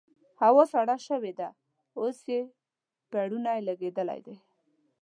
هوا سړه شوې ده؛ اوس پېړنی لګېدلی دی.